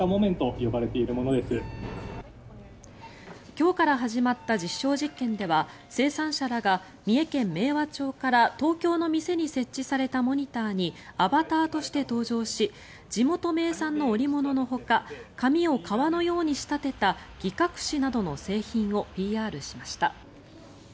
今日から始まった実証実験では生産者らが三重県明和町から東京の店に設置されたモニターにアバターとして登場し地元名産の織物のほか紙を革のように仕立てた擬革紙などの製品をＰＲしました。